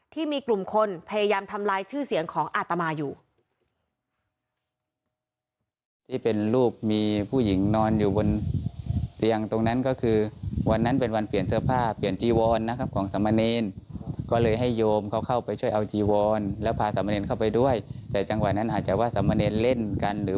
ที่มีกลุ่มคนพยายามทำลายชื่อเสียงของอาตมาอยู่